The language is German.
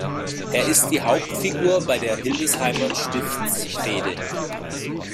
Er ist die Hauptfigur bei der Hildesheimer Stiftsfehde.